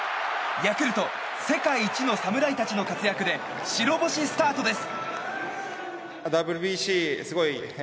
ヤクルト、世界一の侍たちの活躍で白星スタートです。